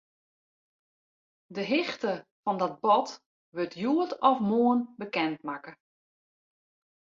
De hichte fan dat bod wurdt hjoed of moarn bekendmakke.